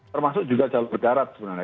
termasuk juga jalur darat sebenarnya